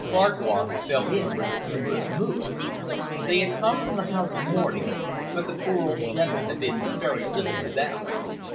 Farquhar fell in with her humorous mood. They had come from the house of mourning, but the poor old General had been very little to them.